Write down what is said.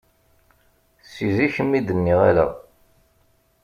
Si zik mi d-nniɣ ala.